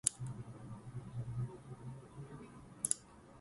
She had always loved stories about magical creatures and adventures.